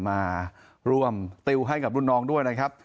มาร่วมติวให้กับรุ่นน้องด้วยนะครับ